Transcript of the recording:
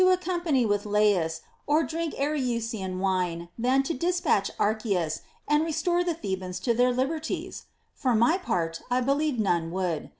185 accompany with Lais or drink Ariusian wine, than to des patch Archias and restore the Thebans to their liberties I lor my part I believe none would.